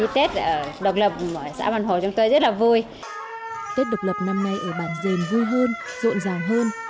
tết độc lập năm nay ở bản dền vui hơn rộn ràng hơn